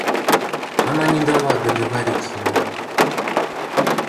Она не дала договорить ему.